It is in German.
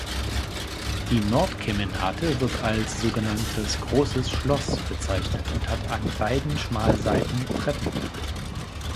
Die Nordkemenate wird als sogenanntes „Großes Schloss“ bezeichnet und hat an beiden Schmalseiten Treppengiebel.